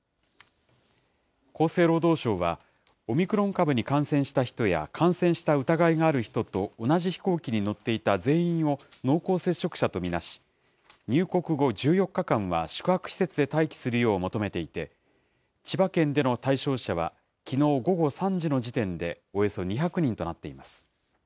厚生労働省は、オミクロン株に感染した人や感染した疑いがある人と同じ飛行機に乗っていた全員を濃厚接触者と見なし、入国後１４日間は宿泊施設で待機するよう求めていて、千葉県での対象者はきのう午後３時の時点で、およそ２００人となっています。